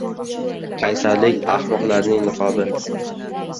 Qaysarlik — ahmoqlarning niqobi.